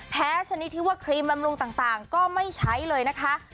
ชนิดที่ว่าครีมบำรุงต่างก็ไม่ใช้เลยนะคะ